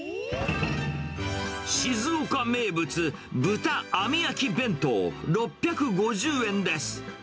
静岡名物、豚あみ焼き弁当６５０円です。